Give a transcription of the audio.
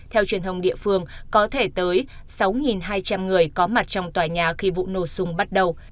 theo truyền thông địa phương có thể tới sáu hai trăm linh người có mặt trong tòa nhà khi vụ nổ sung bắt đầu